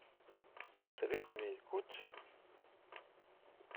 Vous savez combien il coûte ?